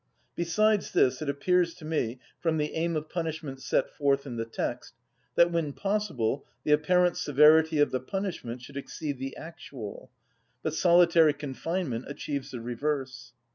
Besides this, it appears to me, from the aim of punishment set forth in the text, that, when possible, the apparent severity of the punishment should exceed the actual: but solitary confinement achieves the reverse.